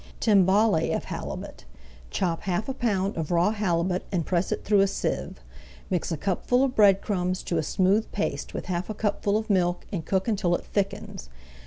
TIMBALE OF HALIBUT Chop half a pound of raw halibut and press it through a sieve. Mix a cupful of bread crumbs to a smooth paste with half a cupful of milk, and cook until it thickens.